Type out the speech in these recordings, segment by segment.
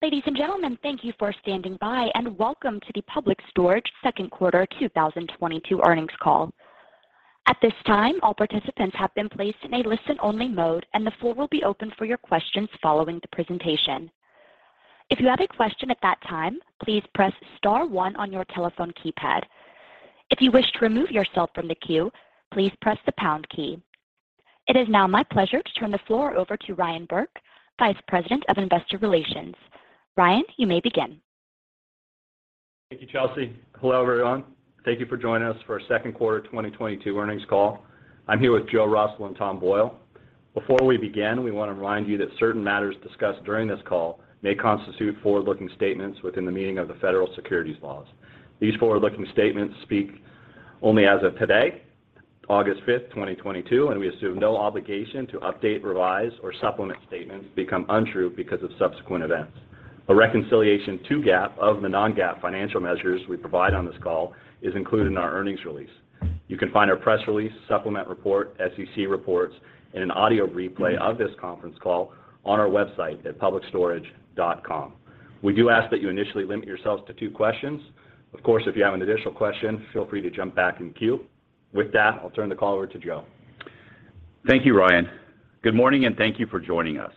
Ladies and gentlemen, thank you for standing by, and welcome to the Public Storage Second Quarter 2022 Earnings Call. At this time, all participants have been placed in a listen-only mode, and the floor will be open for your questions following the presentation. If you have a question at that time, please press star one on your telephone keypad. If you wish to remove yourself from the queue, please press the pound key. It is now my pleasure to turn the floor over to Ryan Burke, Vice President of Investor Relations. Ryan, you may begin. Thank you, Chelsea. Hello, everyone. Thank you for joining us for our Second Quarter 2022 Earnings Call. I'm here with Joe Russell and Tom Boyle. Before we begin, we want to remind you that certain matters discussed during this call may constitute forward-looking statements within the meaning of the federal securities laws. These forward-looking statements speak only as of today, August 5th, 2022, and we assume no obligation to update, revise, or supplement statements become untrue because of subsequent events. A reconciliation to GAAP of the non-GAAP financial measures we provide on this call is included in our earnings release. You can find our press release, supplemental report, SEC reports, and an audio replay of this conference call on our website at publicstorage.com. We do ask that you initially limit yourselves to two questions. Of course, if you have an additional question, feel free to jump back in queue. With that, I'll turn the call over to Joe. Thank you, Ryan. Good morning, and thank you for joining us.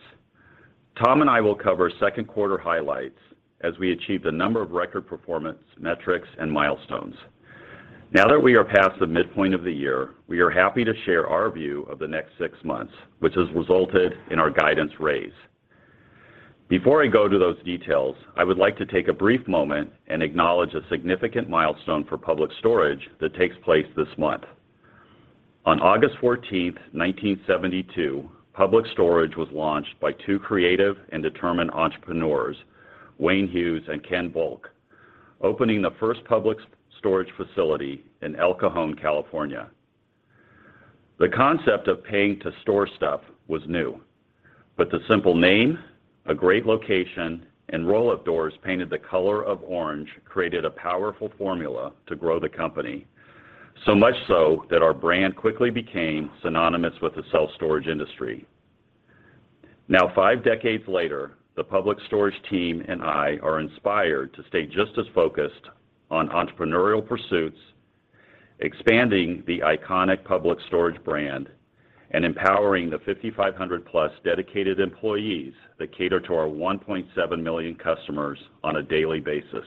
Tom and I will cover second quarter highlights as we achieved a number of record performance metrics and milestones. Now that we are past the midpoint of the year, we are happy to share our view of the next six months, which has resulted in our guidance raise. Before I go to those details, I would like to take a brief moment and acknowledge a significant milestone for Public Storage that takes place this month. On August 14th, 1972, Public Storage was launched by two creative and determined entrepreneurs, B. Wayne Hughes and Ken Volk, opening the first Public Storage facility in El Cajon, California. The concept of paying to store stuff was new, but the simple name, a great location, and roll-up doors painted the color of orange created a powerful formula to grow the company, so much so that our brand quickly became synonymous with the self-storage industry. Now, five decades later, the Public Storage team and I are inspired to stay just as focused on entrepreneurial pursuits, expanding the iconic Public Storage brand, and empowering the 5,500+ dedicated employees that cater to our 1.7 million customers on a daily basis.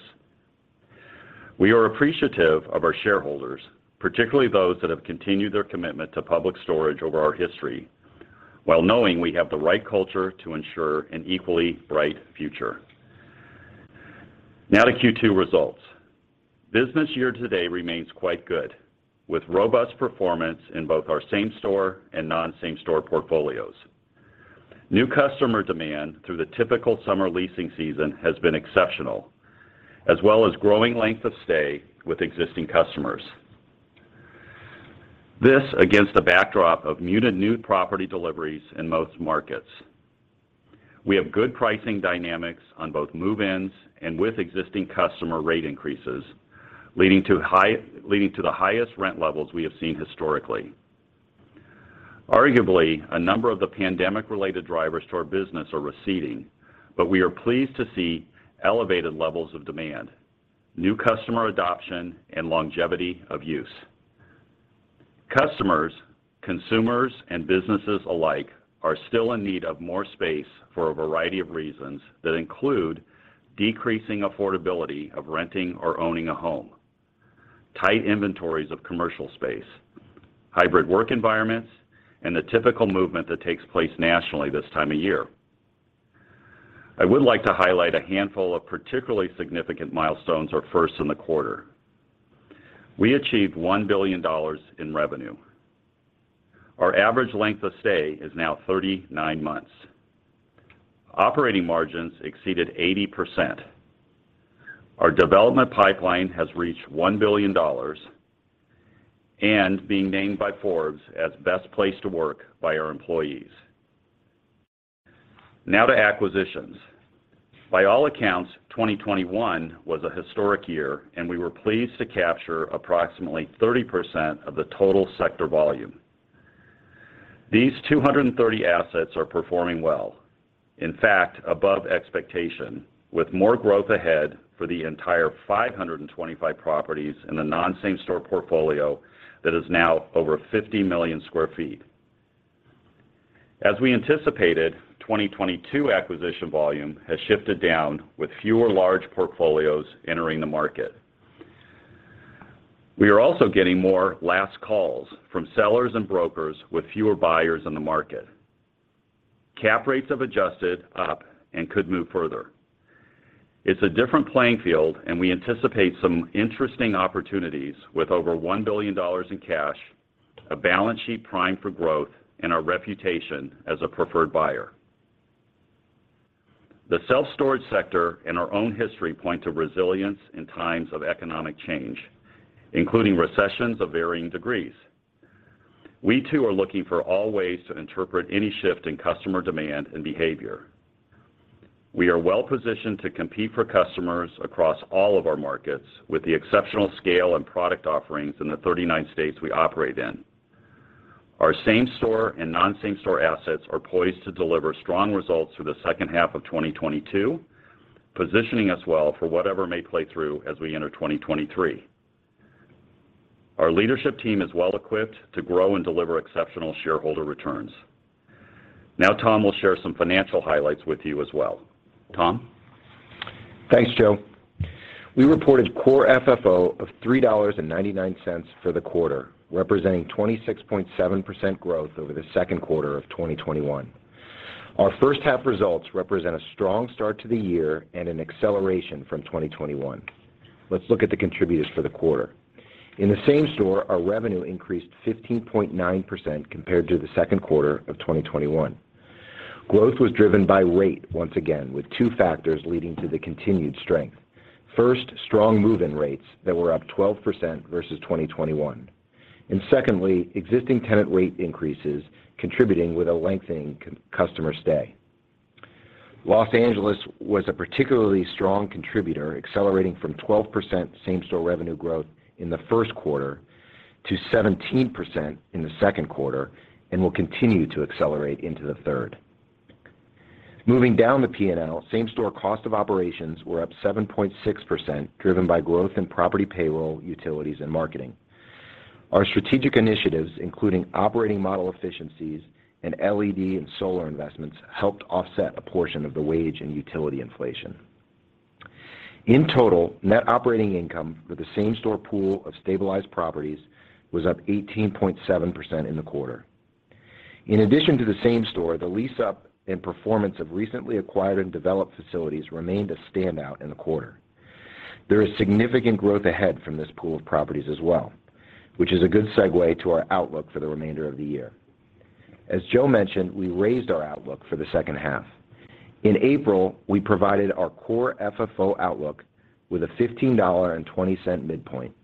We are appreciative of our shareholders, particularly those that have continued their commitment to Public Storage over our history, while knowing we have the right culture to ensure an equally bright future. Now to Q2 results. Business year-to-date remains quite good, with robust performance in both our same-store and non-same-store portfolios. New customer demand through the typical summer leasing season has been exceptional, as well as growing length of stay with existing customers. This, against the backdrop of muted new property deliveries in most markets. We have good pricing dynamics on both move-ins and with existing customer rate increases, leading to the highest rent levels we have seen historically. Arguably, a number of the pandemic-related drivers to our business are receding, but we are pleased to see elevated levels of demand, new customer adoption, and longevity of use. Customers, consumers, and businesses alike are still in need of more space for a variety of reasons that include decreasing affordability of renting or owning a home, tight inventories of commercial space, hybrid work environments, and the typical movement that takes place nationally this time of year. I would like to highlight a handful of particularly significant milestones or firsts in the quarter. We achieved $1 billion in revenue. Our average length of stay is now 39 months. Operating margins exceeded 80%. Our development pipeline has reached $1 billion, and being named by Forbes as best place to work by our employees. Now to acquisitions. By all accounts, 2021 was a historic year, and we were pleased to capture approximately 30% of the total sector volume. These 230 assets are performing well, in fact, above expectation, with more growth ahead for the entire 525 properties in the non-same-store portfolio that is now over 50 million sq ft. As we anticipated, 2022 acquisition volume has shifted down with fewer large portfolios entering the market. We are also getting more last calls from sellers and brokers with fewer buyers in the market. Cap rates have adjusted up and could move further. It's a different playing field, and we anticipate some interesting opportunities with over $1 billion in cash, a balance sheet primed for growth, and our reputation as a preferred buyer. The self-storage sector and our own history point to resilience in times of economic change, including recessions of varying degrees. We, too, are looking for all ways to interpret any shift in customer demand and behavior. We are well-positioned to compete for customers across all of our markets with the exceptional scale and product offerings in the 39 states we operate in. Our same-store and non-same-store assets are poised to deliver strong results through the second half of 2022, positioning us well for whatever may play through as we enter 2023. Our leadership team is well-equipped to grow and deliver exceptional shareholder returns. Now Tom will share some financial highlights with you as well. Tom? Thanks, Joe. We reported Core FFO of $3.99 for the quarter, representing 26.7% growth over the second quarter of 2021. Our first half results represent a strong start to the year and an acceleration from 2021. Let's look at the contributors for the quarter. In the same-store, our revenue increased 15.9% compared to the second quarter of 2021. Growth was driven by rate once again, with two factors leading to the continued strength. First, strong move-in rates that were up 12% versus 2021. And secondly, existing tenant rate increases contributing with a lengthening customer stay. Los Angeles was a particularly strong contributor, accelerating from 12% same-store revenue growth in the first quarter to 17% in the second quarter, and will continue to accelerate into the third. Moving down the P&L, same-store cost of operations were up 7.6%, driven by growth in property payroll, utilities, and marketing. Our strategic initiatives, including operating model efficiencies and LED and solar investments, helped offset a portion of the wage and utility inflation. In total, net operating income with the same-store pool of stabilized properties was up 18.7% in the quarter. In addition to the same store, the lease-up and performance of recently acquired and developed facilities remained a standout in the quarter. There is significant growth ahead from this pool of properties as well, which is a good segue to our outlook for the remainder of the year. As Joe mentioned, we raised our outlook for the second half. In April, we provided our Core FFO outlook with a $15.20 midpoint.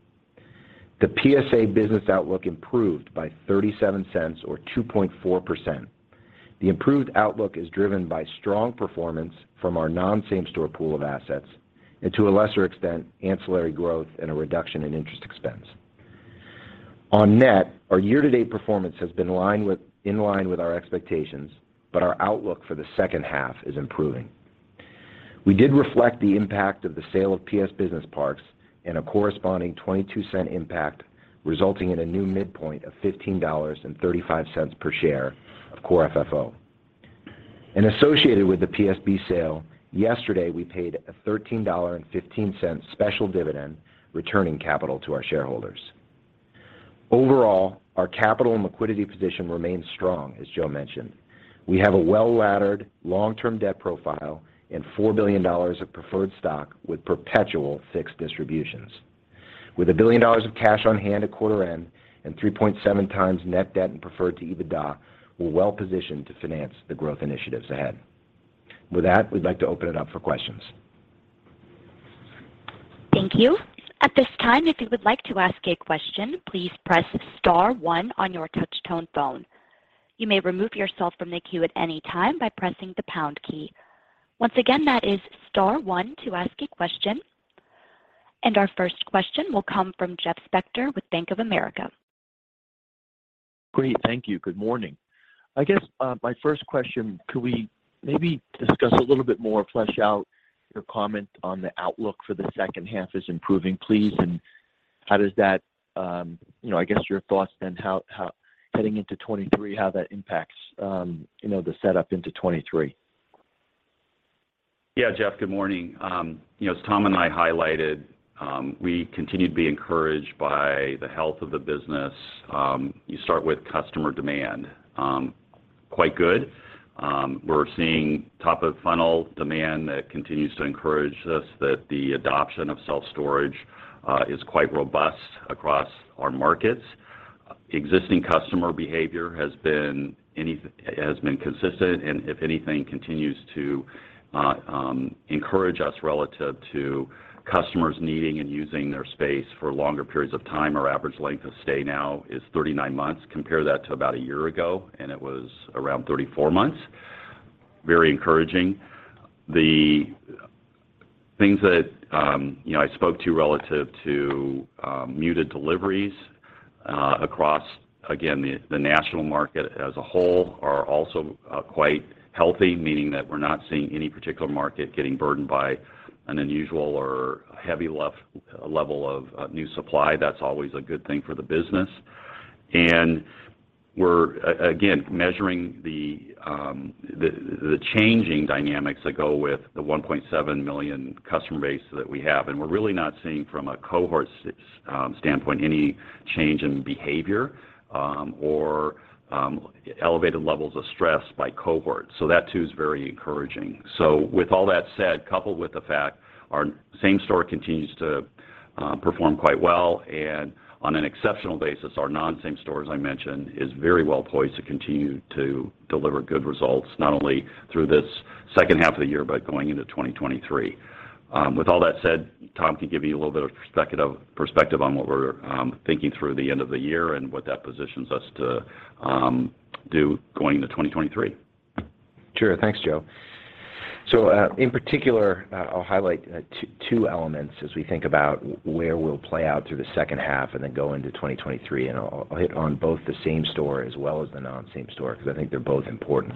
The PSA business outlook improved by $0.37 or 2.4%. The improved outlook is driven by strong performance from our non same-store pool of assets and to a lesser extent, ancillary growth and a reduction in interest expense. On net, our year-to-date performance has been in line with our expectations, but our outlook for the second half is improving. We did reflect the impact of the sale of PS Business Parks and a corresponding $0.22 impact, resulting in a new midpoint of $15.35 per share of Core FFO. Associated with the PSB sale, yesterday, we paid a $13.15 special dividend, returning capital to our shareholders. Overall, our capital and liquidity position remains strong, as Joe mentioned. We have a well-laddered long-term debt profile and $4 billion of preferred stock with perpetual fixed distributions. With $1 billion of cash on hand at quarter end and 3.7x net debt and preferred to EBITDA, we're well-positioned to finance the growth initiatives ahead. With that, we'd like to open it up for questions. Thank you. At this time, if you would like to ask a question, please press star one on your touch tone phone. You may remove yourself from the queue at any time by pressing the pound key. Once again, that is star one to ask a question. Our first question will come from Jeff Spector with Bank of America. Great. Thank you. Good morning. I guess, my first question, could we maybe discuss a little bit more, flesh out your comment on the outlook for the second half is improving, please? How does that, you know, I guess your thoughts then how heading into 2023, how that impacts, you know, the setup into 2023. Yeah, Jeff, good morning. You know, as Tom and I highlighted, we continue to be encouraged by the health of the business. You start with customer demand, quite good. We're seeing top of funnel demand that continues to encourage us that the adoption of self-storage is quite robust across our markets. Existing customer behavior has been consistent, and if anything, continues to encourage us relative to customers needing and using their space for longer periods of time. Our average length of stay now is 39 months. Compare that to about a year ago, and it was around 34 months. Very encouraging. The things that, you know, I spoke to relative to muted deliveries across, again, the national market as a whole are also quite healthy, meaning that we're not seeing any particular market getting burdened by an unusual or heavy level of new supply. That's always a good thing for the business. We're again measuring the changing dynamics that go with the 1.7 million customer base that we have. We're really not seeing from a cohort standpoint any change in behavior or elevated levels of stress by cohort. That too is very encouraging. With all that said, coupled with the fact our same-store continues to perform quite well, and on an exceptional basis, our non same-store, as I mentioned, is very well poised to continue to deliver good results, not only through this second half of the year, but going into 2023. With all that said, Tom can give you a little bit of perspective on what we're thinking through the end of the year and what that positions us to do going into 2023. Sure. Thanks, Joe. In particular, I'll highlight two elements as we think about where we'll play out through the second half and then go into 2023, and I'll hit on both the same-store as well as the non-same store because I think they're both important.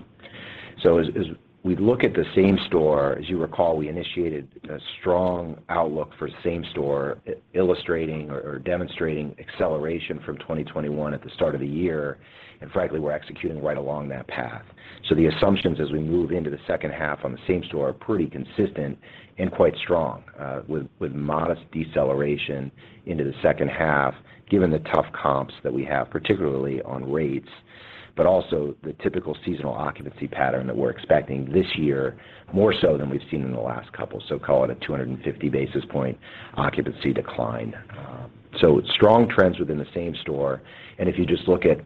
We look at the same store. As you recall, we initiated a strong outlook for same store illustrating or demonstrating acceleration from 2021 at the start of the year, and frankly, we're executing right along that path. The assumptions as we move into the second half on the same store are pretty consistent and quite strong, with modest deceleration into the second half, given the tough comps that we have, particularly on rates, but also the typical seasonal occupancy pattern that we're expecting this year, more so than we've seen in the last couple, so call it a 250 basis point occupancy decline. Strong trends within the same store. If you just look at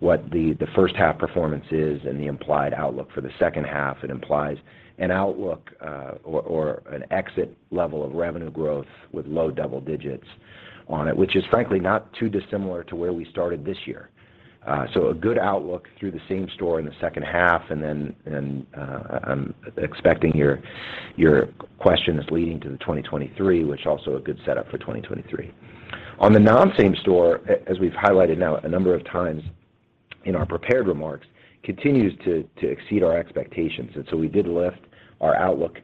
what the first half performance is and the implied outlook for the second half, it implies an outlook, or an exit level of revenue growth with low double digits on it, which is frankly not too dissimilar to where we started this year. A good outlook through the same store in the second half, and then, I'm expecting your question is leading to the 2023, which also a good setup for 2023. On the non-same store, as we've highlighted now a number of times in our prepared remarks, continues to exceed our expectations. We did lift our outlook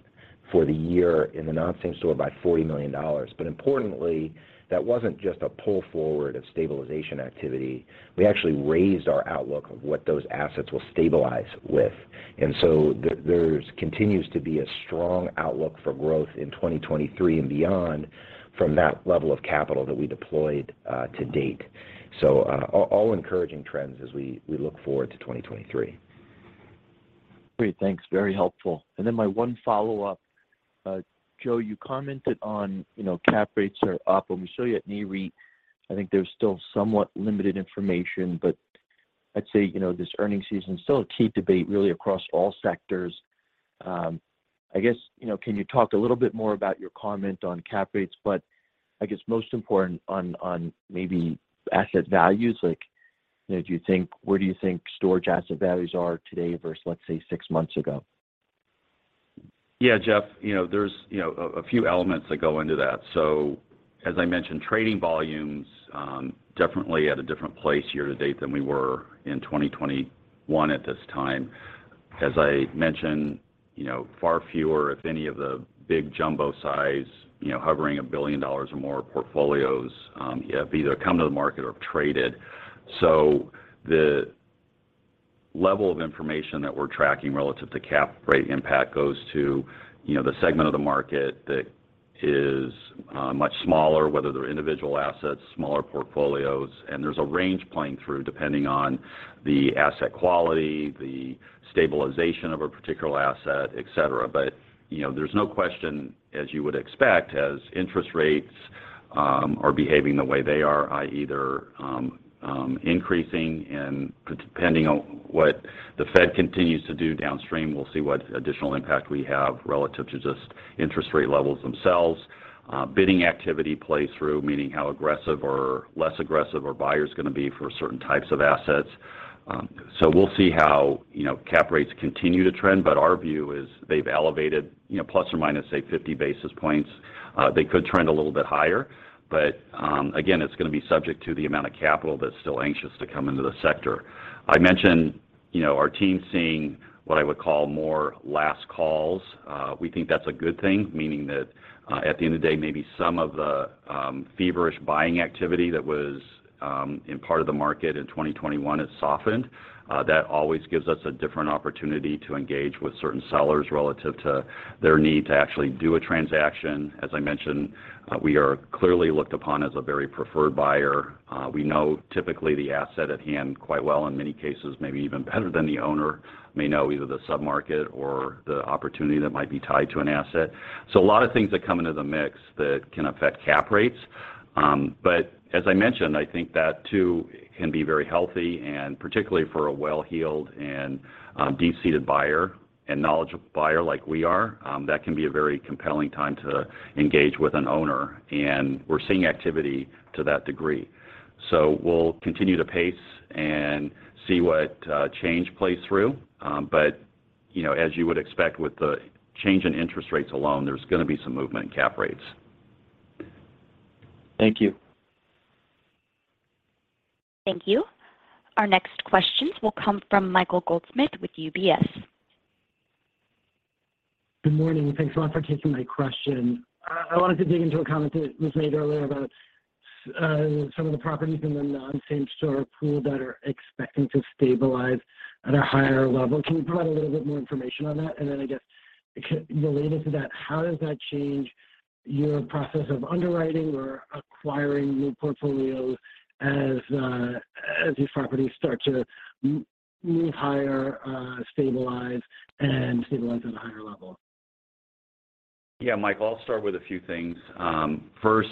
for the year in the non-same store by $40 million. Importantly, that wasn't just a pull forward of stabilization activity. We actually raised our outlook of what those assets will stabilize with. There's continues to be a strong outlook for growth in 2023 and beyond from that level of capital that we deployed to date. All encouraging trends as we look forward to 2023. Great. Thanks. Very helpful. My one follow-up. Joe, you commented on, you know, cap rates are up, but we saw you at Nareit. I think there's still somewhat limited information, but I'd say, you know, this earnings season, still a key debate really across all sectors. I guess, you know, can you talk a little bit more about your comment on cap rates, but I guess most important on maybe asset values, like, you know, where do you think storage asset values are today versus, let's say, six months ago? Yeah, Jeff, you know, there's you know a few elements that go into that. As I mentioned, trading volumes definitely at a different place year to date than we were in 2021 at this time. As I mentioned, you know, far fewer, if any of the big jumbo size, you know, hovering $1 billion or more portfolios, have either come to the market or have traded. The level of information that we're tracking relative to cap rate impact goes to you know the segment of the market that is much smaller, whether they're individual assets, smaller portfolios, and there's a range playing through depending on the asset quality, the stabilization of a particular asset, et cetera. You know, there's no question, as you would expect, as interest rates are behaving the way they are, i.e., either increasing and depending on what the Fed continues to do downstream, we'll see what additional impact we have relative to just interest rate levels themselves. Bidding activity plays through, meaning how aggressive or less aggressive a buyer is gonna be for certain types of assets. So we'll see how, you know, cap rates continue to trend, but our view is they've elevated, you know, plus or minus, say, 50 basis points. They could trend a little bit higher, but again, it's gonna be subject to the amount of capital that's still anxious to come into the sector. I mentioned, you know, our team seeing what I would call more last calls. We think that's a good thing, meaning that, at the end of the day, maybe some of the feverish buying activity that was in part of the market in 2021 has softened. That always gives us a different opportunity to engage with certain sellers relative to their need to actually do a transaction. As I mentioned, we are clearly looked upon as a very preferred buyer. We know typically the asset at hand quite well, in many cases, maybe even better than the owner may know either the sub-market or the opportunity that might be tied to an asset. A lot of things that come into the mix that can affect cap rates. As I mentioned, I think that too can be very healthy, and particularly for a well-heeled and deep-seated buyer and knowledgeable buyer like we are, that can be a very compelling time to engage with an owner, and we're seeing activity to that degree. We'll continue to pace and see what change plays through. You know, as you would expect with the change in interest rates alone, there's gonna be some movement in cap rates. Thank you. Thank you. Our next questions will come from Michael Goldsmith with UBS. Good morning. Thanks a lot for taking my question. I wanted to dig into a comment that was made earlier about some of the properties in the non-same store pool that are expecting to stabilize at a higher level. Can you provide a little bit more information on that? Then I guess, related to that, how does that change your process of underwriting or acquiring new portfolios as these properties start to move higher, stabilize at a higher level? Yeah, Michael, I'll start with a few things. First,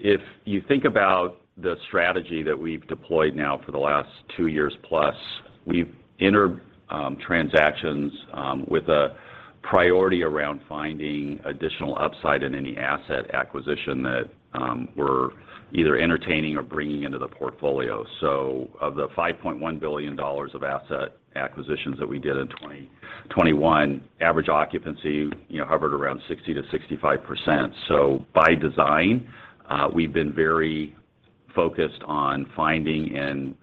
if you think about the strategy that we've deployed now for the last 2+, we've entered transactions with a Priority around finding additional upside in any asset acquisition that we're either entertaining or bringing into the portfolio. Of the $5.1 billion of asset acquisitions that we did in 2021, average occupancy, you know, hovered around 60%-65%. By design, we've been very focused on finding and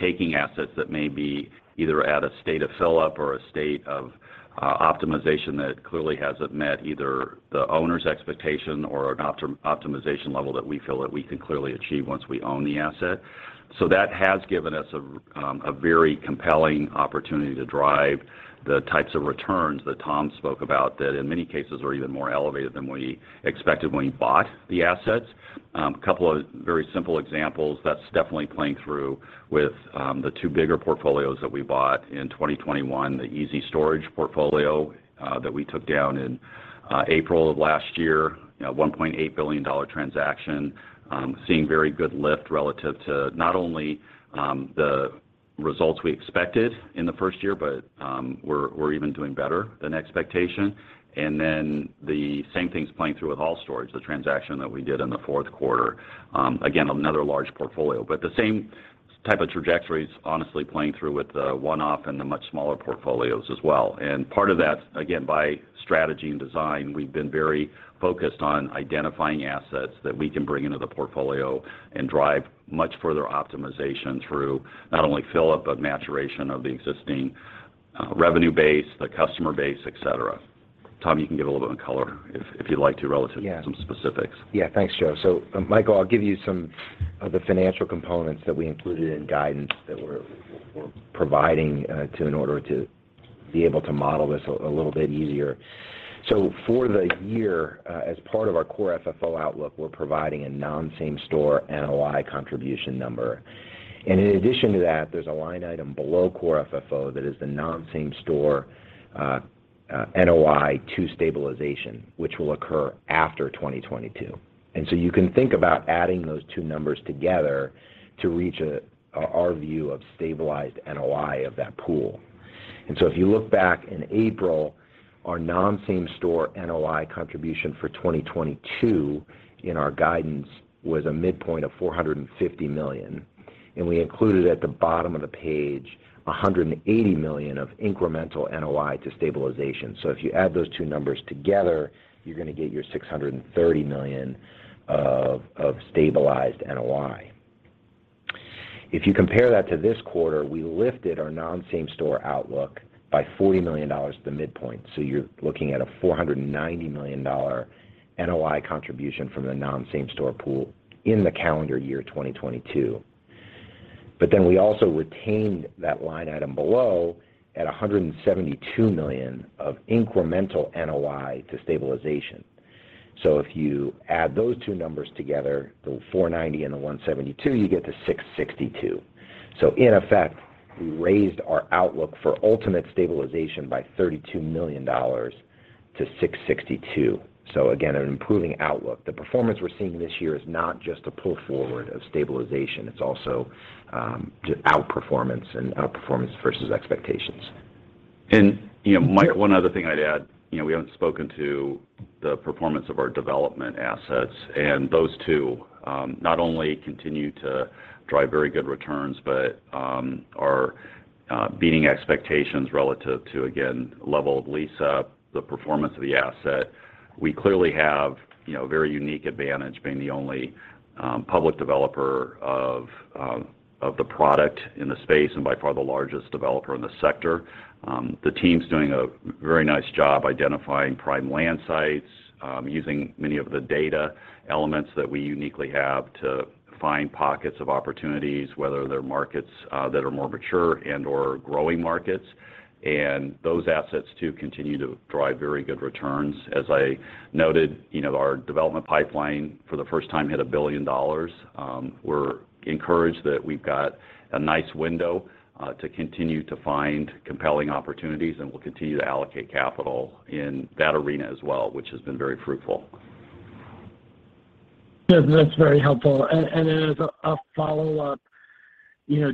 taking assets that may be either at a state of fill-up or a state of optimization that clearly hasn't met either the owner's expectation or an optimization level that we feel that we can clearly achieve once we own the asset. That has given us a very compelling opportunity to drive the types of returns that Tom spoke about, that in many cases are even more elevated than we expected when we bought the assets. A couple of very simple examples that's definitely playing through with the two bigger portfolios that we bought in 2021, the ezStorage portfolio that we took down in April of last year. You know, $1.8 billion transaction, seeing very good lift relative to not only the results we expected in the first year, but we're even doing better than expectation. The same thing's playing through with All Storage, the transaction that we did in the fourth quarter, again, another large portfolio. The same type of trajectory is honestly playing through with the one-off and the much smaller portfolios as well. Part of that, again, by strategy and design, we've been very focused on identifying assets that we can bring into the portfolio and drive much further optimization through not only fill-up, but maturation of the existing, revenue base, the customer base, et cetera. Tom, you can give a little bit of color if you'd like to relative to some specifics. Yeah. Thanks, Joe. Michael, I'll give you some of the financial components that we included in guidance that we're providing in order to be able to model this a little bit easier. For the year, as part of our Core FFO outlook, we're providing a non-same store NOI contribution number. In addition to that, there's a line item below Core FFO that is the non-same store NOI to stabilization, which will occur after 2022. You can think about adding those two numbers together to reach our view of stabilized NOI of that pool. If you look back in April, our non-same store NOI contribution for 2022 in our guidance was a midpoint of $450 million. We included at the bottom of the page $180 million of incremental NOI to stabilization. If you add those two numbers together, you're gonna get your $630 million of stabilized NOI. If you compare that to this quarter, we lifted our non-same store outlook by $40 million to the midpoint. You're looking at a $490 million NOI contribution from the non-same store pool in the calendar year 2022. We also retained that line item below at a $172 million of incremental NOI to stabilization. If you add those two numbers together, the $490 and the $172, you get to $662. In effect, we raised our outlook for ultimate stabilization by $32 million to $662. Again, an improving outlook. The performance we're seeing this year is not just a pull forward of stabilization, it's also outperformance versus expectations. You know, Mike, one other thing I'd add, you know, we haven't spoken to the performance of our development assets, and those too not only continue to drive very good returns, but are beating expectations relative to, again, level of lease up, the performance of the asset. We clearly have, you know, a very unique advantage being the only public developer of the product in the space, and by far the largest developer in the sector. The team's doing a very nice job identifying prime land sites, using many of the data elements that we uniquely have to find pockets of opportunities, whether they're markets that are more mature and/or growing markets. Those assets too continue to drive very good returns. As I noted, you know, our development pipeline for the first time hit $1 billion. We're encouraged that we've got a nice window to continue to find compelling opportunities, and we'll continue to allocate capital in that arena as well, which has been very fruitful. Good. That's very helpful. As a follow-up, you know,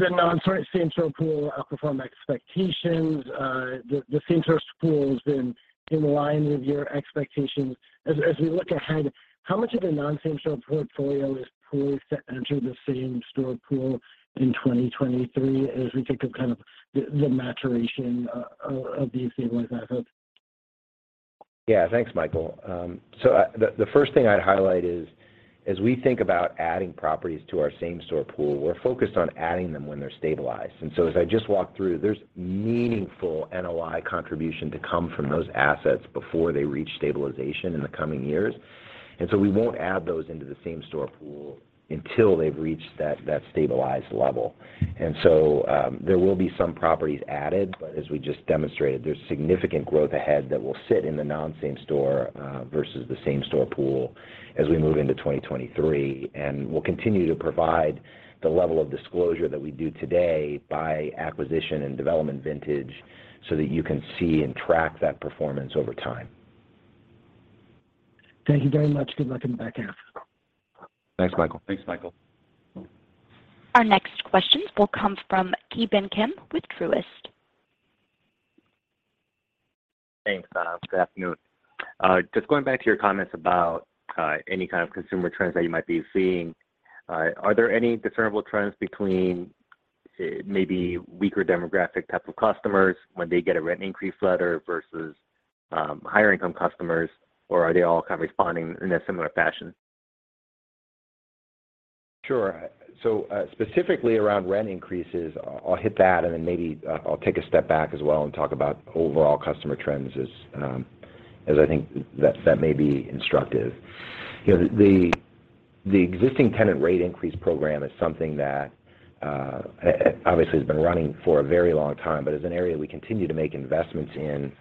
the non-same store pool outperformed expectations. The same store pool has been in line with your expectations. As we look ahead, how much of the non-same store portfolio is poised to enter the same store pool in 2023 as we think of kind of the maturation of these stabilized assets? Yeah. Thanks, Michael. The first thing I'd highlight is, as we think about adding properties to our same store pool, we're focused on adding them when they're stabilized. As I just walked through, there's meaningful NOI contribution to come from those assets before they reach stabilization in the coming years. We won't add those into the same store pool until they've reached that stabilized level. There will be some properties added, but as we just demonstrated, there's significant growth ahead that will sit in the non-same store versus the same store pool as we move into 2023. We'll continue to provide the level of disclosure that we do today by acquisition and development vintage so that you can see and track that performance over time. Thank you very much. Good luck in the back half. Thanks, Michael. Thanks, Michael. Our next questions will come from Ki Bin Kim with Truist. Thanks, good afternoon. Just going back to your comments about any kind of consumer trends that you might be seeing. Are there any discernible trends between maybe weaker demographic type of customers when they get a rent increase letter versus higher income customers, or are they all kind of responding in a similar fashion? Sure. Specifically around rent increases, I'll hit that, and then maybe I'll take a step back as well and talk about overall customer trends as I think that may be instructive. You know, the existing tenant rate increase program is something that obviously has been running for a very long time, but is an area we continue to make investments in,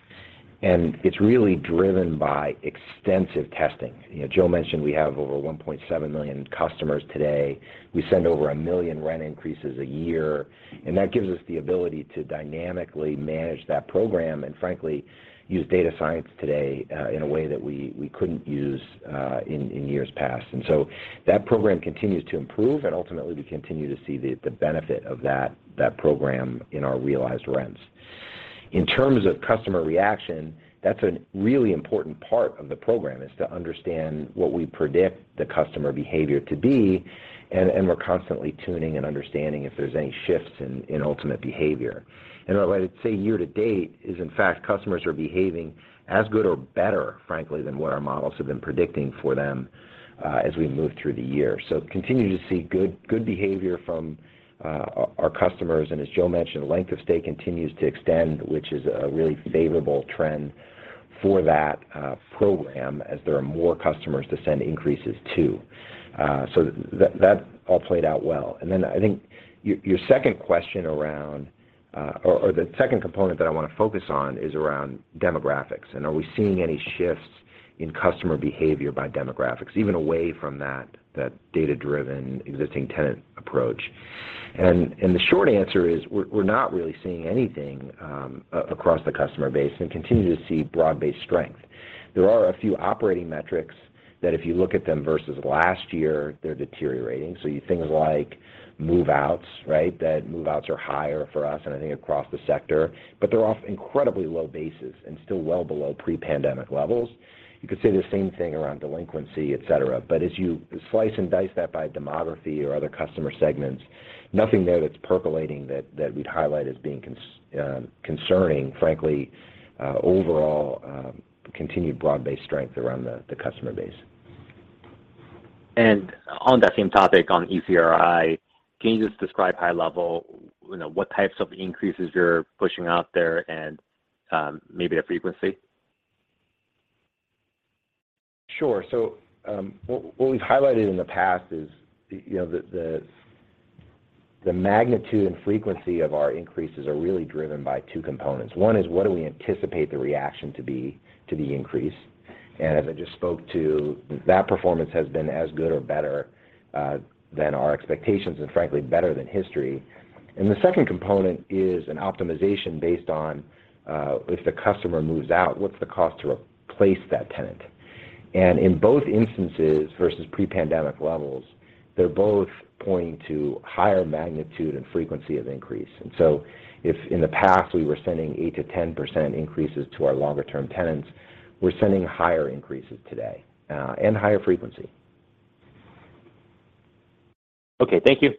and it's really driven by extensive testing. You know, Joe mentioned we have over 1.7 million customers today. We send over 1 million rent increases a year, and that gives us the ability to dynamically manage that program and frankly, use data science today, in a way that we couldn't use in years past. That program continues to improve and ultimately we continue to see the benefit of that program in our realized rents. In terms of customer reaction, that's a really important part of the program, is to understand what we predict the customer behavior to be, and we're constantly tuning and understanding if there's any shifts in ultimate behavior. I'd say year to date, in fact, customers are behaving as good or better, frankly, than what our models have been predicting for them as we move through the year. Continue to see good behavior from our customers. As Joe mentioned, length of stay continues to extend, which is a really favorable trend for that program as there are more customers to send increases to. That all played out well. Then I think your second question around or the second component that I wanna focus on is around demographics and are we seeing any shifts in customer behavior by demographics, even away from that data-driven existing tenant approach. The short answer is we're not really seeing anything across the customer base and continue to see broad-based strength. There are a few operating metrics that if you look at them versus last year, they're deteriorating. Things like move-outs, right? That move-outs are higher for us and I think across the sector, but they're off incredibly low bases and still well below pre-pandemic levels. You could say the same thing around delinquency, et cetera. As you slice and dice that by demography or other customer segments, nothing there that's percolating that we'd highlight as being concerning, frankly. Overall, continued broad-based strength around the customer base. On that same topic, on ECRI, can you just describe high level, you know, what types of increases you're pushing out there and, maybe the frequency? Sure. What we've highlighted in the past is, you know, the magnitude and frequency of our increases are really driven by two components. One is what do we anticipate the reaction to be to the increase? As I just spoke to, that performance has been as good or better than our expectations and frankly, better than history. The second component is an optimization based on, if the customer moves out, what's the cost to replace that tenant? In both instances versus pre-pandemic levels, they're both pointing to higher magnitude and frequency of increase. If in the past we were sending 8%-10% increases to our longer term tenants, we're sending higher increases today, and higher frequency. Okay. Thank you.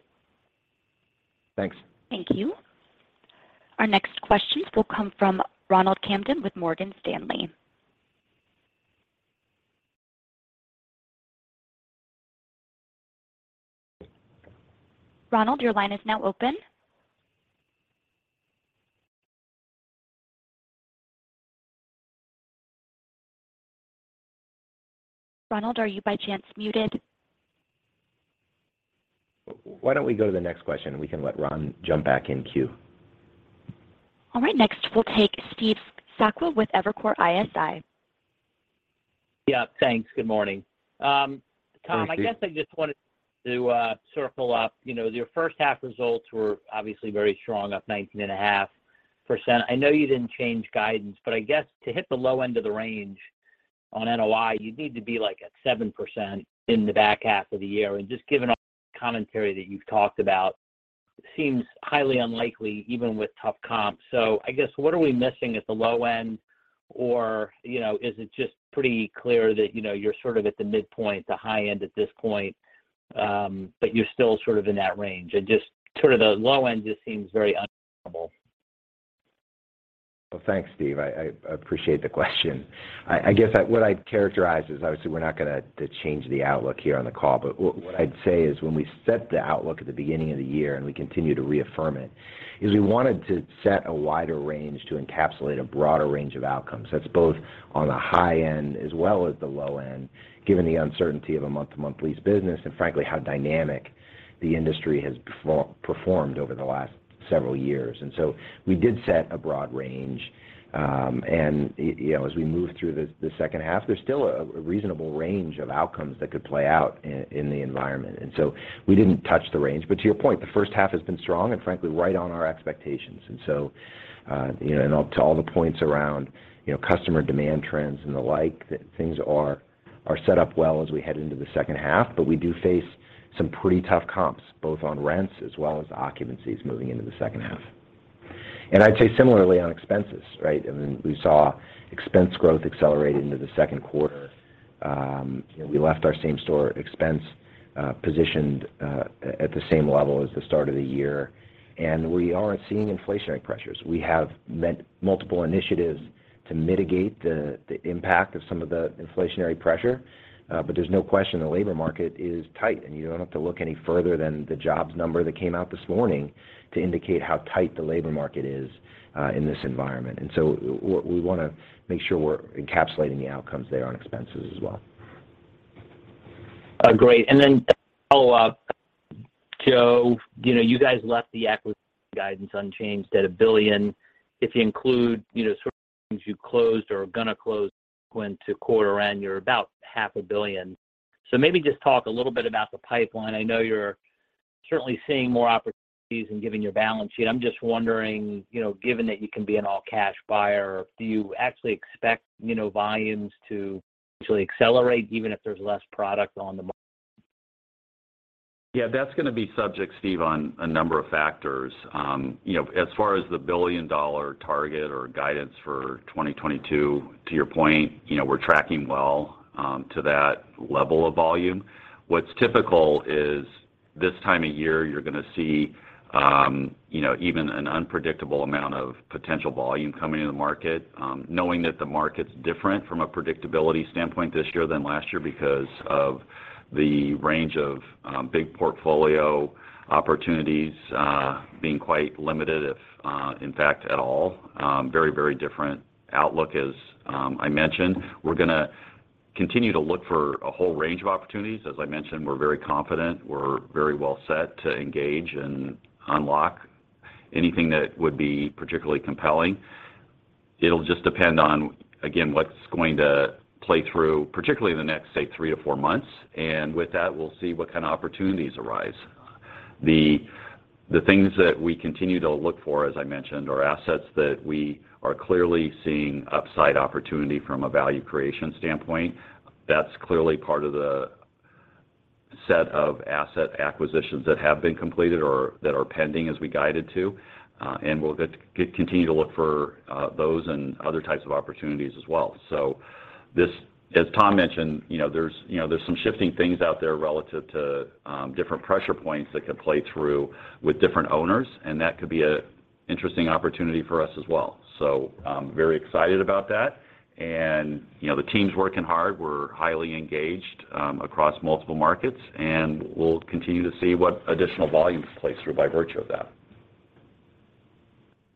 Thanks. Thank you. Our next questions will come from Ronald Kamdem with Morgan Stanley. Ronald, your line is now open. Ronald, are you by chance muted? Why don't we go to the next question, and we can let Ron jump back in queue. All right. Next, we'll take Steve Sakwa with Evercore ISI. Yeah. Thanks. Good morning. Tom, I guess I just wanted to circle up. You know, your first half results were obviously very strong, up 19.5%. I know you didn't change guidance, but I guess to hit the low end of the range on NOI, you'd need to be like at 7% in the back half of the year. Just given all the commentary that you've talked about, seems highly unlikely even with tough comps. I guess, what are we missing at the low end? Or, you know, is it just pretty clear that, you know, you're sort of at the midpoint to high end at this point, but you're still sort of in that range and just sort of the low end just seems very unreasonable. Well, thanks, Steve. I appreciate the question. I guess what I'd characterize is obviously we're not gonna change the outlook here on the call, but what I'd say is when we set the outlook at the beginning of the year and we continue to reaffirm it, is we wanted to set a wider range to encapsulate a broader range of outcomes. That's both on the high end as well as the low end, given the uncertainty of a month-to-month lease business and frankly, how dynamic the industry has performed over the last several years. We did set a broad range. You know, as we move through the second half, there's still a reasonable range of outcomes that could play out in the environment. We didn't touch the range. To your point, the first half has been strong and frankly, right on our expectations. You know, and to all the points around, you know, customer demand trends and the like, things are We're set up well as we head into the second half, but we do face some pretty tough comps, both on rents as well as occupancies moving into the second half. I'd say similarly on expenses, right? I mean, we saw expense growth accelerate into the second quarter. We left our same store expense positioned at the same level as the start of the year, and we aren't seeing inflationary pressures. We have multiple initiatives to mitigate the impact of some of the inflationary pressure, but there's no question the labor market is tight. You don't have to look any further than the jobs number that came out this morning to indicate how tight the labor market is in this environment. We wanna make sure we're encapsulating the outcomes there on expenses as well. Great. Then a follow-up. Joe, you know, you guys left the acquisition guidance unchanged at $1 billion. If you include, you know, sort of things you closed or are gonna close going to quarter end, you're about half a billion. Maybe just talk a little bit about the pipeline. I know you're certainly seeing more opportunities and given your balance sheet. I'm just wondering, you know, given that you can be an all-cash buyer, do you actually expect, you know, volumes to actually accelerate even if there's less product on the market? Yeah, that's gonna be subject, Steve, on a number of factors. You know, as far as the billion-dollar target or guidance for 2022, to your point, you know, we're tracking well to that level of volume. What's typical is this time of year, you're gonna see, you know, even an unpredictable amount of potential volume coming into the market, knowing that the market's different from a predictability standpoint this year than last year because of the range of big portfolio opportunities being quite limited, if, in fact, at all. Very, very different outlook as I mentioned. We're gonna continue to look for a whole range of opportunities. As I mentioned, we're very confident. We're very well set to engage and unlock anything that would be particularly compelling. It'll just depend on, again, what's going to play through, particularly in the next, say, three-four months. With that, we'll see what kind of opportunities arise. The things that we continue to look for, as I mentioned, are assets that we are clearly seeing upside opportunity from a value creation standpoint. That's clearly part of the set of asset acquisitions that have been completed or that are pending as we guided to, and we'll continue to look for those and other types of opportunities as well. As Tom mentioned, you know, there's some shifting things out there relative to different pressure points that could play through with different owners, and that could be an interesting opportunity for us as well. Very excited about that. You know, the team's working hard. We're highly engaged, across multiple markets, and we'll continue to see what additional volumes play through by virtue of that.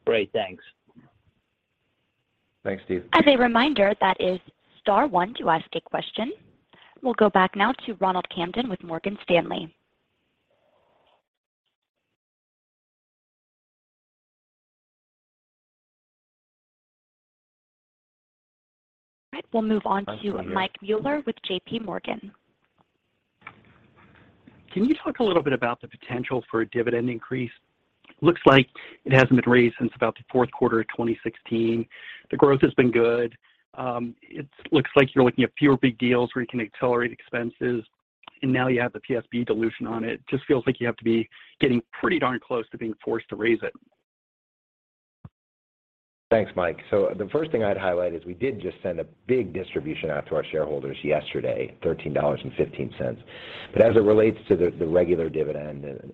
Great. Thanks. Thanks, Steve. As a reminder, that is star one to ask a question. We'll go back now to Ronald Kamdem with Morgan Stanley. All right. We'll move on to Michael Mueller with JPMorgan. Can you talk a little bit about the potential for a dividend increase? Looks like it hasn't been raised since about the fourth quarter of 2016. The growth has been good. It looks like you're looking at fewer big deals where you can accelerate expenses, and now you have the PSB dilution on it. Just feels like you have to be getting pretty darn close to being forced to raise it. Thanks, Mike. The first thing I'd highlight is we did just send a big distribution out to our shareholders yesterday, $13.15. As it relates to the regular dividend,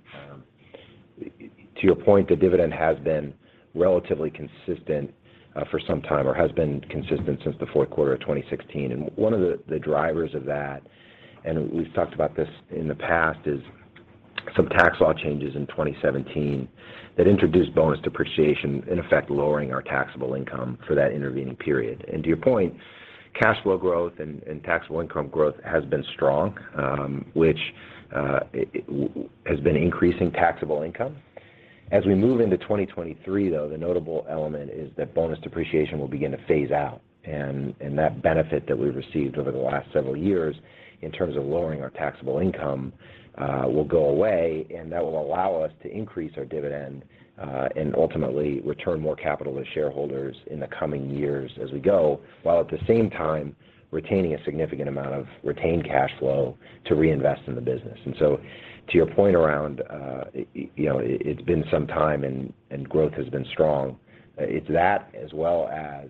to your point, the dividend has been relatively consistent for some time, or has been consistent since the fourth quarter of 2016. One of the drivers of that, and we've talked about this in the past, is some tax law changes in 2017 that introduced bonus depreciation, in effect lowering our taxable income for that intervening period. To your point, cash flow growth and taxable income growth has been strong, which has been increasing taxable income. As we move into 2023, though, the notable element is that bonus depreciation will begin to phase out, and that benefit that we've received over the last several years in terms of lowering our taxable income will go away, and that will allow us to increase our dividend, and ultimately return more capital to shareholders in the coming years as we go, while at the same time retaining a significant amount of retained cash flow to reinvest in the business. To your point around, you know, it's been some time and growth has been strong, it's that as well as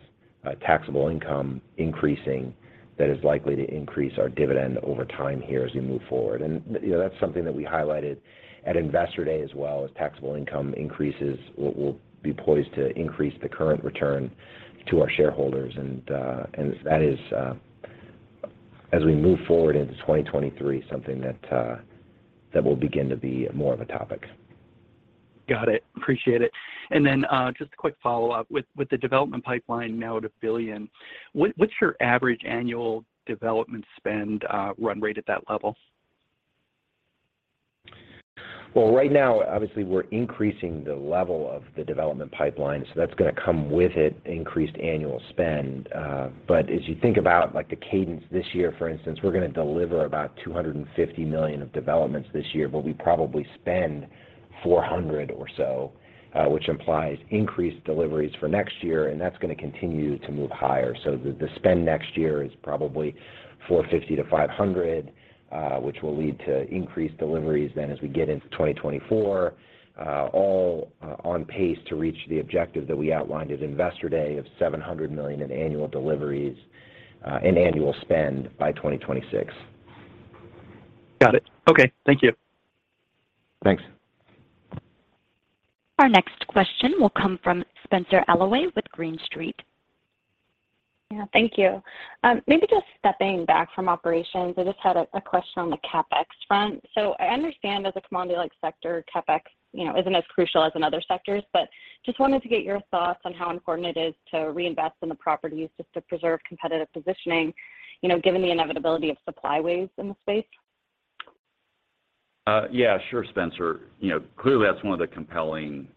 taxable income increasing that is likely to increase our dividend over time here as we move forward. You know, that's something that we highlighted at Investor Day as well. As taxable income increases, we'll be poised to increase the current return to our shareholders. That is, as we move forward into 2023, something that will begin to be more of a topic. Got it. Appreciate it. Just a quick follow-up. With the development pipeline now at $1 billion, what's your average annual development spend run rate at that level? Well, right now, obviously, we're increasing the level of the development pipeline, so that's gonna come with it increased annual spend. As you think about, like, the cadence this year, for instance, we're gonna deliver about $250 million of developments this year, but we probably spend $400 or so, which implies increased deliveries for next year, and that's gonna continue to move higher. The spend next year is probably $450-$500, which will lead to increased deliveries then as we get into 2024, all on pace to reach the objective that we outlined at Investor Day of $700 million in annual deliveries, in annual spend by 2026. Got it. Okay, thank you. Thanks. Our next question will come from Spenser Allaway with Green Street. Yeah, thank you. Maybe just stepping back from operations, I just had a question on the CapEx front. I understand as a commodity-like sector, CapEx, you know, isn't as crucial as in other sectors, but just wanted to get your thoughts on how important it is to reinvest in the properties just to preserve competitive positioning, you know, given the inevitability of supply waves in the space. Yeah. Sure, Spenser. You know, clearly that's one of the compelling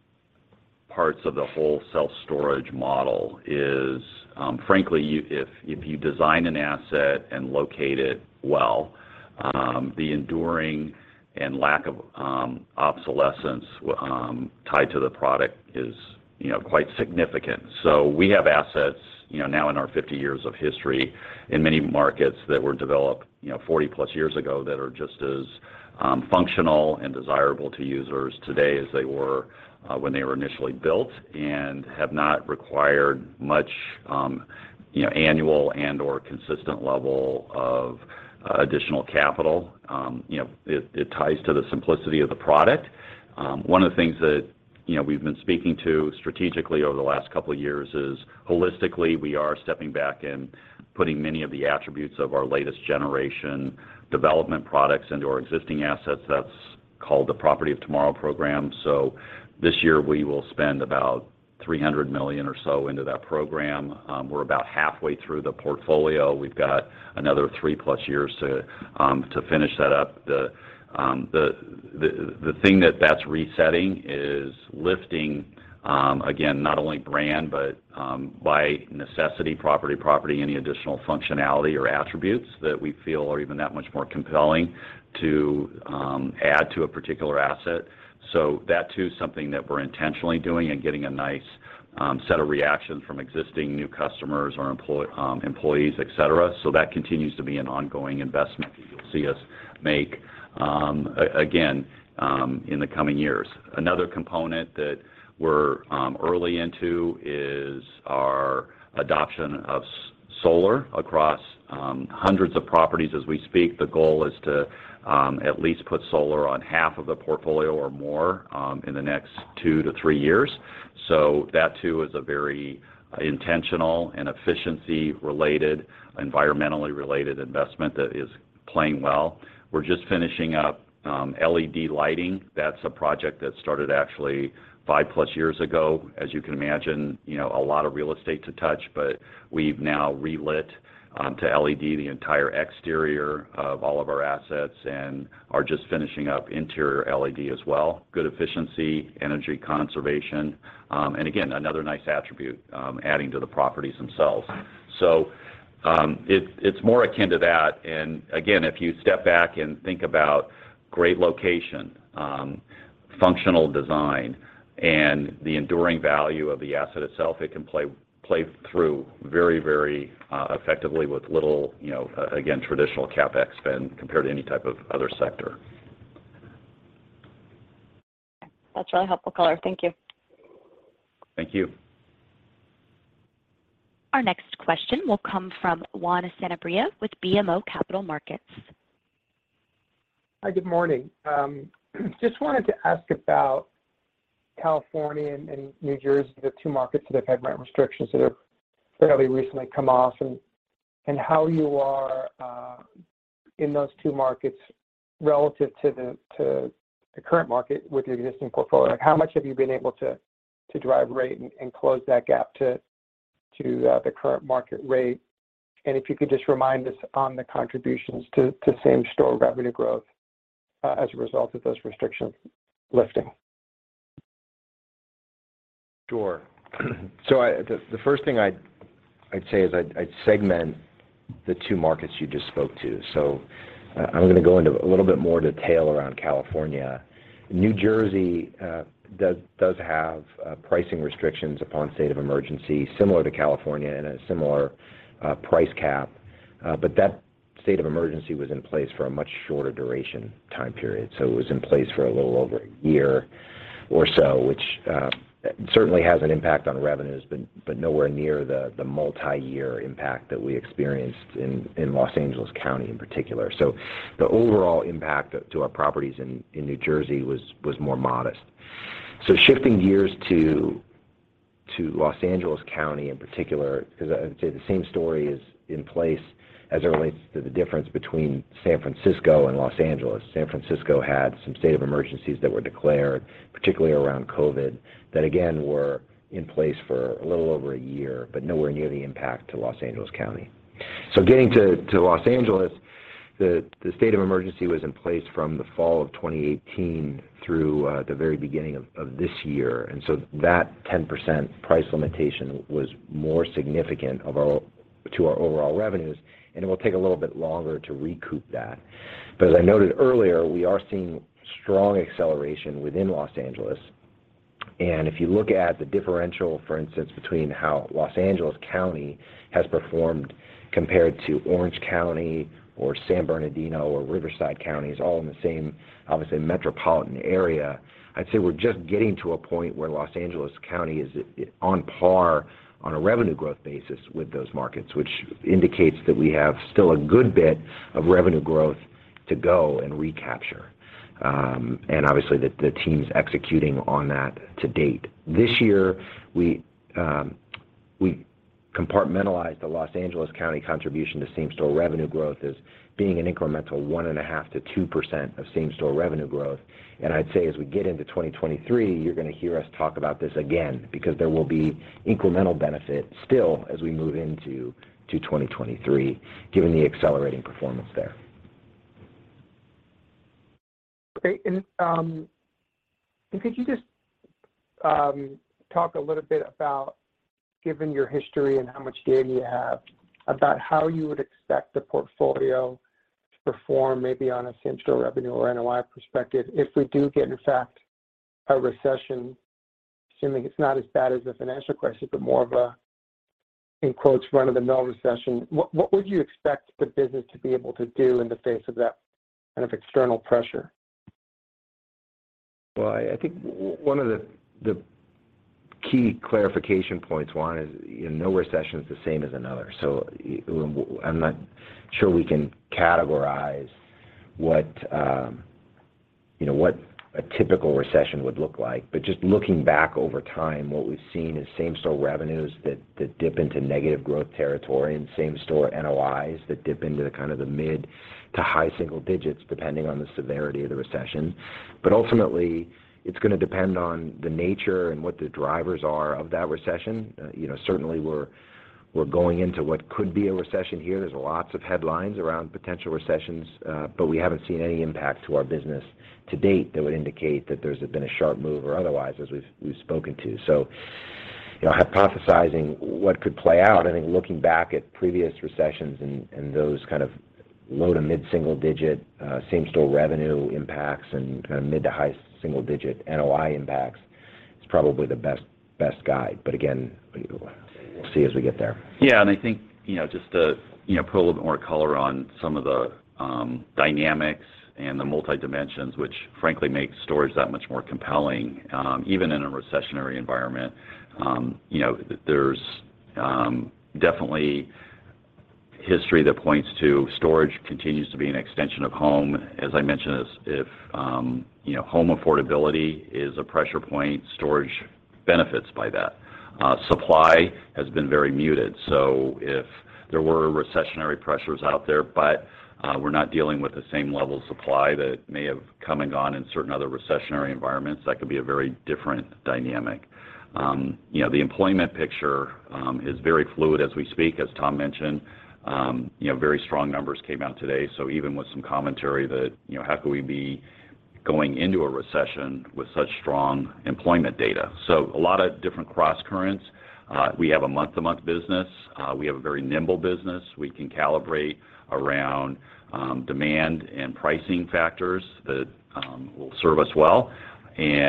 parts of the whole self-storage model is, frankly if you design an asset and locate it well, the enduring and lack of obsolescence tied to the product is, you know, quite significant. We have assets, you know, now in our 50 years of history in many markets that were developed, you know, 40+ years ago that are just as functional and desirable to users today as they were when they were initially built and have not required much, you know, annual and/or consistent level of additional capital. You know, it ties to the simplicity of the product. One of the things that, you know, we've been speaking to strategically over the last couple of years is holistically, we are stepping back and putting many of the attributes of our latest generation development products into our existing assets. That's called the Property of Tomorrow program. This year, we will spend about $300 million or so into that program. We're about halfway through the portfolio. We've got another 3+ years to finish that up. The thing that that's resetting is lifting, again, not only brand, but by necessity property, any additional functionality or attributes that we feel are even that much more compelling to add to a particular asset. That too is something that we're intentionally doing and getting a nice set of reactions from existing new customers or employees, et cetera. That continues to be an ongoing investment that you'll see us make again in the coming years. Another component that we're early into is our adoption of solar across hundreds of properties as we speak. The goal is to at least put solar on half of the portfolio or more in the next two to three years. That too is a very intentional and efficiency-related, environmentally-related investment that is playing well. We're just finishing up LED lighting. That's a project that started actually 5+ years ago. As you can imagine, you know, a lot of real estate to touch, but we've now relit to LED the entire exterior of all of our assets and are just finishing up interior LED as well. Good efficiency, energy conservation, and again, another nice attribute adding to the properties themselves. It's more akin to that, and again, if you step back and think about great location, functional design, and the enduring value of the asset itself, it can play through very effectively with little, you know, again, traditional CapEx spend compared to any type of other sector. That's really helpful, color. Thank you. Thank you. Our next question will come from Juan Sanabria with BMO Capital Markets. Hi, good morning. Just wanted to ask about California and New Jersey, the two markets that have had rent restrictions that have fairly recently come off and how you are in those two markets relative to the current market with your existing portfolio. Like, how much have you been able to drive rate and close that gap to the current market rate? And if you could just remind us on the contributions to same-store revenue growth as a result of those restrictions lifting. Sure. The first thing I'd say is I'd segment the two markets you just spoke to. I'm gonna go into a little bit more detail around California. New Jersey does have pricing restrictions upon state of emergency similar to California and a similar price cap. That state of emergency was in place for a much shorter duration time period, so it was in place for a little over a year or so, which certainly has an impact on revenues, but nowhere near the multi-year impact that we experienced in Los Angeles County in particular. The overall impact to our properties in New Jersey was more modest. Shifting gears to Los Angeles County in particular, 'cause the same story is in place as it relates to the difference between San Francisco and Los Angeles. San Francisco had some states of emergency that were declared, particularly around COVID, that again, were in place for a little over a year, but nowhere near the impact to Los Angeles County. Getting to Los Angeles, the state of emergency was in place from the fall of 2018 through the very beginning of this year. That 10% price limitation was more significant to our overall revenues, and it will take a little bit longer to recoup that. As I noted earlier, we are seeing strong acceleration within Los Angeles. If you look at the differential, for instance, between how Los Angeles County has performed compared to Orange County or San Bernardino or Riverside Counties, all in the same, obviously, metropolitan area, I'd say we're just getting to a point where Los Angeles County is on par on a revenue growth basis with those markets, which indicates that we have still a good bit of revenue growth to go and recapture. Obviously the team's executing on that to date. This year we compartmentalized the Los Angeles County contribution to same-store revenue growth as being an incremental 1.5%-2% of same-store revenue growth. I'd say as we get into 2023, you're gonna hear us talk about this again because there will be incremental benefit still as we move into 2023 given the accelerating performance there. Great. Could you just talk a little bit about, given your history and how much data you have, about how you would expect the portfolio to perform maybe on a same-store revenue or NOI perspective if we do get, in fact, a recession, assuming it's not as bad as the financial crisis, but more of a, in quotes, run-of-the-mill recession, what would you expect the business to be able to do in the face of that kind of external pressure? Well, I think one of the key clarification points, one is, you know, no recession is the same as another. I'm not sure we can categorize what, you know, what a typical recession would look like. Just looking back over time, what we've seen is same-store revenues that dip into negative growth territory and same-store NOIs that dip into the kind of the mid to high single digits, depending on the severity of the recession. Ultimately, it's gonna depend on the nature and what the drivers are of that recession. You know, certainly we're going into what could be a recession here. There's lots of headlines around potential recessions, but we haven't seen any impact to our business to date that would indicate that there's been a sharp move or otherwise as we've spoken to. You know, hypothesizing what could play out, I think looking back at previous recessions and those kind of low- to mid-single-digit same-store revenue impacts and kind of mid- to high-single-digit NOI impacts is probably the best guide. But again, we'll see as we get there. Yeah. I think, you know, just to, you know, put a little bit more color on some of the dynamics and the multi-dimensions, which frankly make storage that much more compelling, even in a recessionary environment, you know, there's definitely history that points to storage continues to be an extension of home. As I mentioned, you know, home affordability is a pressure point, storage benefits by that. Supply has been very muted. If there were recessionary pressures out there, but we're not dealing with the same level of supply that may have come and gone in certain other recessionary environments, that could be a very different dynamic. You know, the employment picture is very fluid as we speak, as Tom mentioned. You know, very strong numbers came out today, so even with some commentary that, you know, how could we be going into a recession with such strong employment data? A lot of different crosscurrents. We have a month-to-month business. We have a very nimble business. We can calibrate around demand and pricing factors that will serve us well. You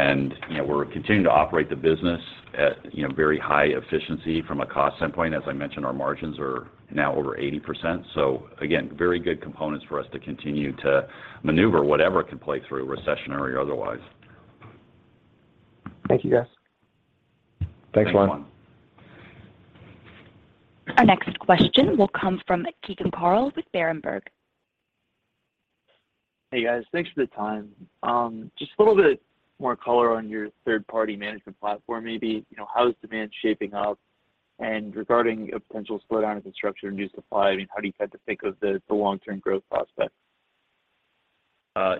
know, we're continuing to operate the business at, you know, very high efficiency from a cost standpoint. As I mentioned, our margins are now over 80%. Again, very good components for us to continue to maneuver whatever can play through recessionary or otherwise. Thank you, guys. Thanks, Juan. Thanks, Juan. Our next question will come from Keegan Carl with Berenberg. Hey, guys. Thanks for the time. Just a little bit more color on your third-party management platform maybe. You know, how is demand shaping up? Regarding a potential slowdown in construction and new supply, I mean, how do you kind of think of the long-term growth prospects?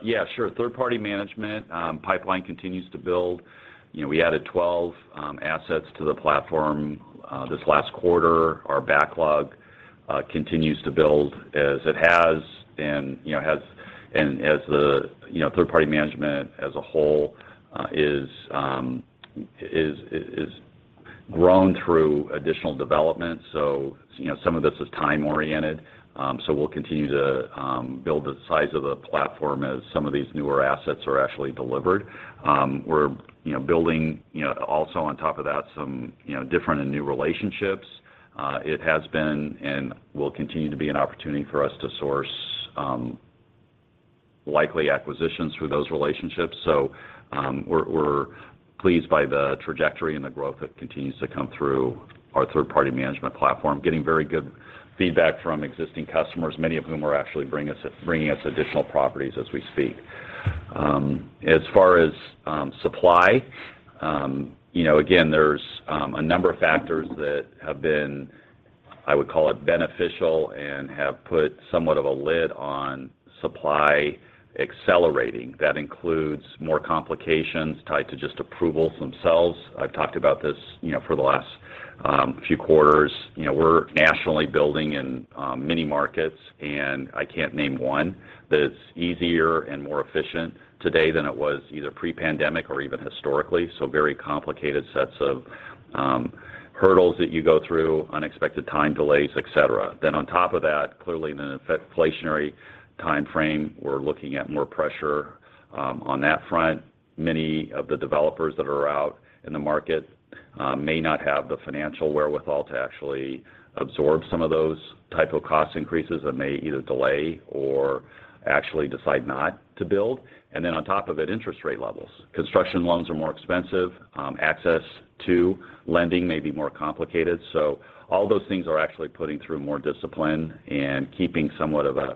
Yeah, sure. Third-party management pipeline continues to build. You know, we added 12 assets to the platform this last quarter. Our backlog continues to build as it has and, you know, and as the, you know, third-party management as a whole is grown through additional development. You know, some of this is time-oriented. We'll continue to build the size of the platform as some of these newer assets are actually delivered. You know, we're building, you know, also on top of that, some, you know, different and new relationships. It has been and will continue to be an opportunity for us to source likely acquisitions through those relationships. You know, we're pleased by the trajectory and the growth that continues to come through our third-party management platform. Getting very good feedback from existing customers, many of whom are actually bringing us additional properties as we speak. As far as supply, you know, again, there's a number of factors that have been, I would call it, beneficial and have put somewhat of a lid on supply accelerating. That includes more complications tied to just approvals themselves. I've talked about this, you know, for the last A few quarters. You know, we're nationally building in many markets, and I can't name one that is easier and more efficient today than it was either pre-pandemic or even historically, so very complicated sets of hurdles that you go through, unexpected time delays, et cetera. On top of that, clearly in an inflationary timeframe, we're looking at more pressure on that front. Many of the developers that are out in the market may not have the financial wherewithal to actually absorb some of those type of cost increases that may either delay or actually decide not to build. On top of it, interest rate levels. Construction loans are more expensive, access to lending may be more complicated. All those things are actually putting through more discipline and keeping somewhat of a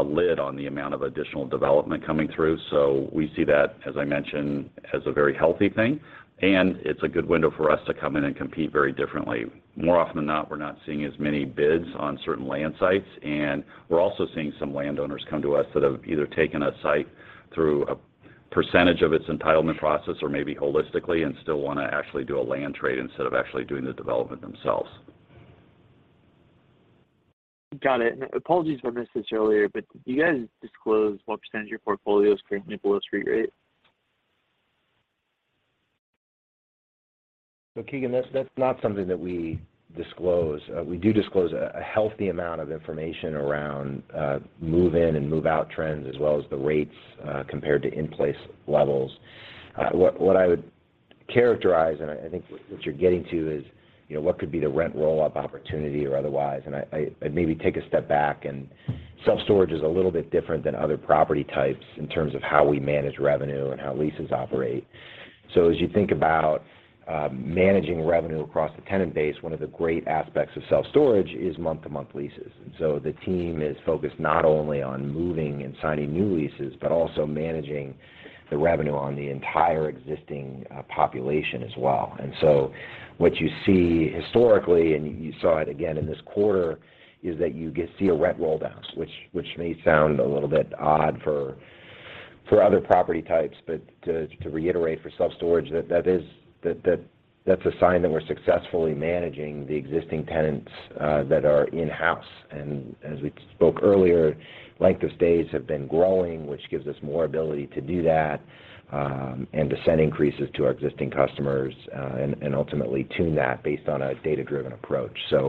lid on the amount of additional development coming through. We see that, as I mentioned, as a very healthy thing, and it's a good window for us to come in and compete very differently. More often than not, we're not seeing as many bids on certain land sites, and we're also seeing some landowners come to us that have either taken a site through a percentage of its entitlement process or maybe holistically and still wanna actually do a land trade instead of actually doing the development themselves. Got it. Apologies if I missed this earlier, but do you guys disclose what percentage of your portfolio is currently below street rate? Keegan, that's not something that we disclose. We do disclose a healthy amount of information around move-in and move-out trends as well as the rates compared to in-place levels. What I would characterize, and I think what you're getting to is, you know, what could be the rent roll-up opportunity or otherwise. Maybe take a step back. Self-storage is a little bit different than other property types in terms of how we manage revenue and how leases operate. As you think about managing revenue across the tenant base, one of the great aspects of self-storage is month-to-month leases. The team is focused not only on moving and signing new leases, but also managing the revenue on the entire existing population as well. What you see historically, and you saw it again in this quarter, is that you get to see a rent roll-down, which may sound a little bit odd for other property types, but to reiterate for self-storage, that's a sign that we're successfully managing the existing tenants that are in-house. As we spoke earlier, length of stays have been growing, which gives us more ability to do that, and to send increases to our existing customers, and ultimately tune that based on a data-driven approach. You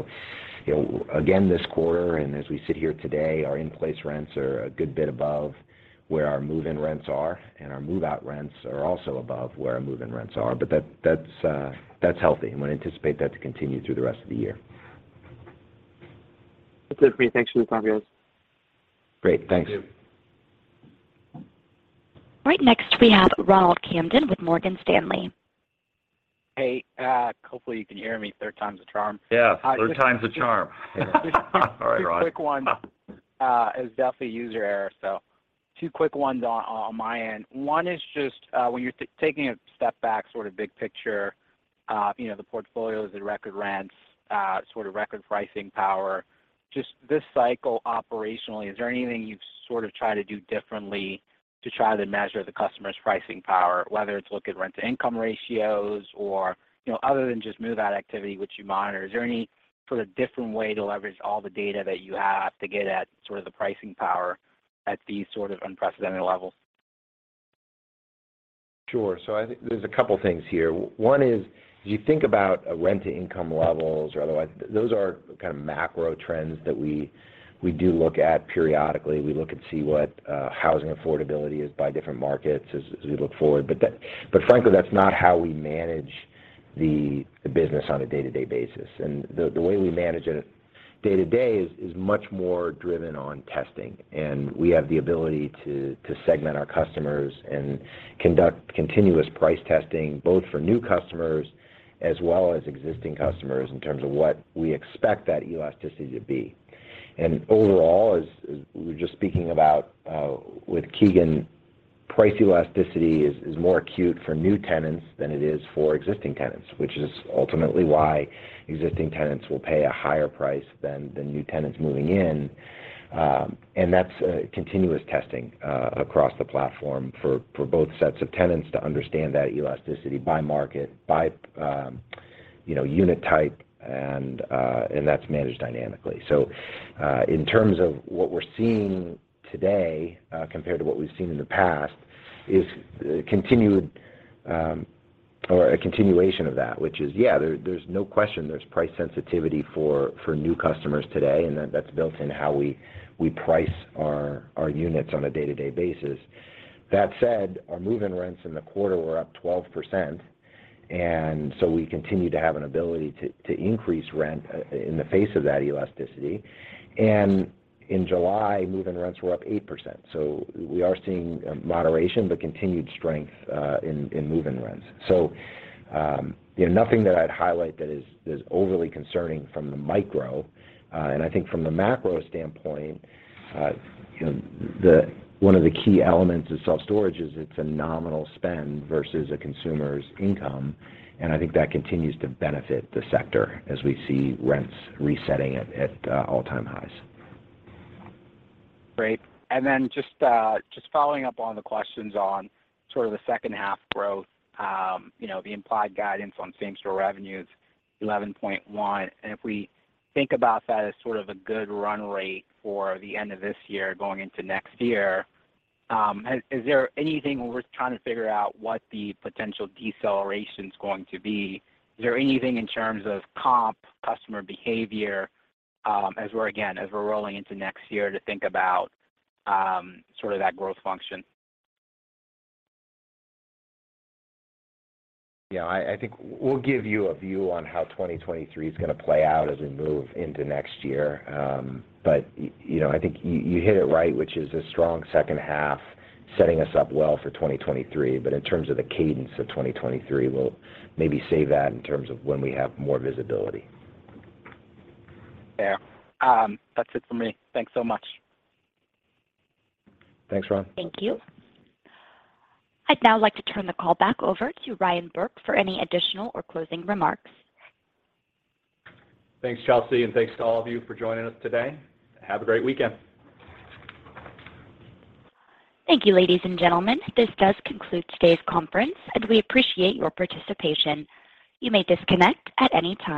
know, again, this quarter and as we sit here today, our in-place rents are a good bit above where our move-in rents are, and our move-out rents are also above where our move-in rents are. That's healthy, and we anticipate that to continue through the rest of the year. That's it for me. Thanks for the time, guys. Great. Thanks. Thank you. Right next we have Ronald Kamdem with Morgan Stanley. Hey. Hopefully you can hear me. Third time's a charm. Yeah. Third time's the charm. Sorry, Ron. Two quick ones. It was definitely user error. Two quick ones on my end. One is just, when you're taking a step back, sort of big picture, you know, the portfolio, the record rents, sort of record pricing power, just this cycle operationally, is there anything you've sort of tried to do differently to try to measure the customer's pricing power, whether it's look at rent-to-income ratios or, you know, other than just move-out activity which you monitor, is there any sort of different way to leverage all the data that you have to get at sort of the pricing power at these sort of unprecedented levels? Sure. I think there's a couple things here. One is, if you think about, rent-to-income levels or otherwise, those are kind of macro trends that we do look at periodically. We look and see what housing affordability is by different markets as we look forward. Frankly, that's not how we manage the business on a day-to-day basis. The way we manage it day to day is much more driven on testing, and we have the ability to segment our customers and conduct continuous price testing, both for new customers as well as existing customers in terms of what we expect that elasticity to be. Overall, as we were just speaking about with Keegan, price elasticity is more acute for new tenants than it is for existing tenants, which is ultimately why existing tenants will pay a higher price than new tenants moving in. That's continuous testing across the platform for both sets of tenants to understand that elasticity by market, by you know, unit type, and that's managed dynamically. In terms of what we're seeing today compared to what we've seen in the past is a continuation of that, which is, yeah, there's no question there's price sensitivity for new customers today, and that's built in how we price our units on a day-to-day basis. That said, our move-in rents in the quarter were up 12%, and so we continue to have an ability to increase rent in the face of that elasticity. In July, move-in rents were up 8%. We are seeing moderation, but continued strength in move-in rents. You know, nothing that I'd highlight that is overly concerning from the micro. I think from the macro standpoint, you know, the one of the key elements of self-storage is it's a nominal spend versus a consumer's income, and I think that continues to benefit the sector as we see rents resetting at all-time highs. Great. Then just following up on the questions on sort of the second half growth, you know, the implied guidance on same store revenue is 11.1%, and if we think about that as sort of a good run rate for the end of this year going into next year, is there anything when we're trying to figure out what the potential deceleration's going to be, is there anything in terms of comp, customer behavior, as we're rolling into next year to think about, sort of that growth function? Yeah. I think we'll give you a view on how 2023 is gonna play out as we move into next year. You know, I think you hit it right, which is a strong second half setting us up well for 2023. In terms of the cadence of 2023, we'll maybe say that in terms of when we have more visibility. Yeah. That's it for me. Thanks so much. Thanks, Ron. Thank you. I'd now like to turn the call back over to Ryan Burke for any additional or closing remarks. Thanks, Chelsea, and thanks to all of you for joining us today. Have a great weekend. Thank you, ladies and gentlemen. This does conclude today's conference, and we appreciate your participation. You may disconnect at any time.